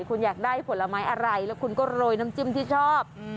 คุณอยากได้ผลไม้อะไรแล้วคุณก็โรยน้ำจิ้มที่ชอบ